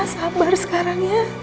sabar sekarang ya